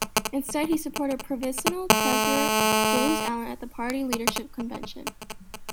Instead, he supported provincial treasurer James Allan at the party's leadership convention.